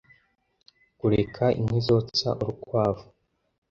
kureka inkwi zotsa urukwavu